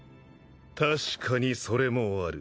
確かにそれもある。